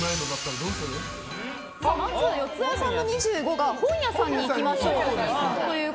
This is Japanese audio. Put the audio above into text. まず四谷さんの２５が本屋さんに行きましょうと。